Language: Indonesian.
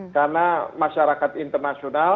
karena masyarakat internasional